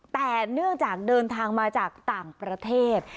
แต่เนื่องจากเดินทางมาจากต่างประเทศ